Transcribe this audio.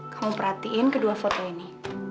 kamu perhatiin kedua foto ini